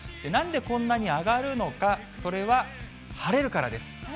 なんでこんなに上がるのか、それは晴れるからです。